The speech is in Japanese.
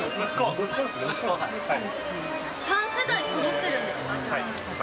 ３世代そろってるんですか、じゃあ。